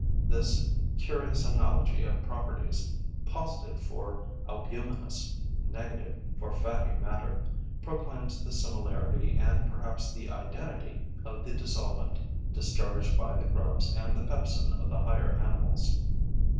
This curious analogy of properties, positive for albuminous, negative for fatty matter, proclaims the similarity and perhaps the identity of the dissolvent discharged by the grubs and the pepsin of the higher animals.